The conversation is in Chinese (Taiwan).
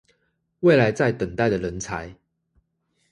未來在等待的人才